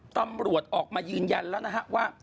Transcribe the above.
ตำรวจออกมายืนยันแล้วนะฮะว่า